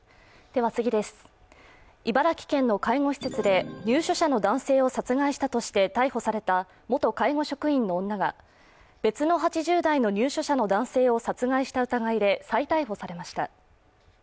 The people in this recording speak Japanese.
茨城県の介護施設で入所者の男性を殺害したとして逮捕された元介護職員の女が別の入所者の８０代の男性を殺害した疑いで再逮捕されました。